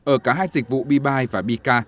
ở cả hai dịch vụ b bi và b k